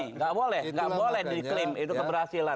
tidak boleh nggak boleh diklaim itu keberhasilan